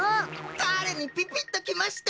かれにピピッときました！